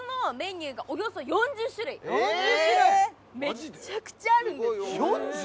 めっちゃくちゃあるんです４０！？